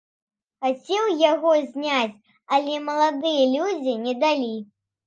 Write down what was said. Хацеў яго зняць, але маладыя людзі не далі.